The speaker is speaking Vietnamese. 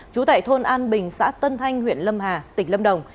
trú tại thôn an bình xã tân thanh huyện lâm hà tỉnh lâm đồng